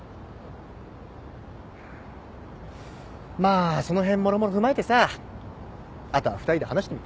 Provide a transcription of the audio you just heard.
まあその辺もろもろ踏まえてさあとは２人で話してみてよ。